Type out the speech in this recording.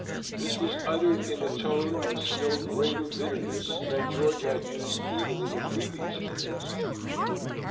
This was uttered in a tone of still greater bitterness than George had used even in the previous phrase.